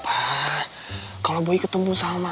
maaf pa kalau boy ketemu sama mama gimana pak